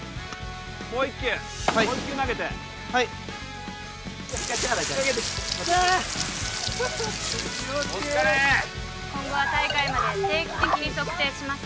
もう１球もう１球投げてはいはい・かけて・お疲れ今後は大会まで定期的に測定します